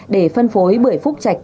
để phân phối bưởi phúc chạch